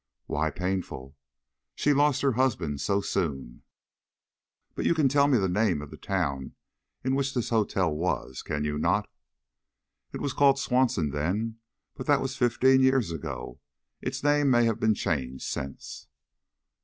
"Why painful?" "She lost her husband so soon." "But you can tell me the name of the town in which this hotel was, can you not?" "It was called Swanson then, but that was fifteen years ago. Its name may have been changed since."